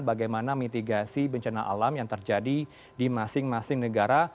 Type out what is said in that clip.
bagaimana mitigasi bencana alam yang terjadi di masing masing negara